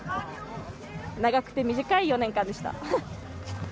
長くて短い４年間でした。